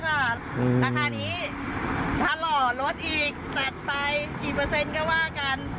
ราคานี้ถ้าหล่อลดอีกตัดไปกี่เปอร์เซ็นต์ก็ว่ากัน